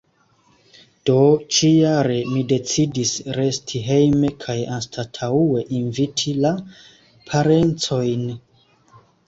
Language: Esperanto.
Do, ĉi-jare mi decidis resti hejme kaj anstataŭe inviti la parencojn.